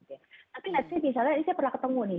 tapi misalnya saya pernah ketemu nih